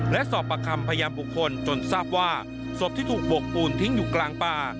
และสอบประคำพยานบุคคลจนทราบว่าศพที่ถูกบกปูนทิ้งอยู่กลางป่า